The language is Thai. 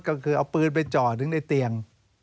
ก็คือเอาปืนไปจ่อถึงในเตียง